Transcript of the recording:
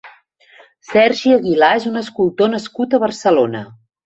Sergi Aguilar és un escultor nascut a Barcelona.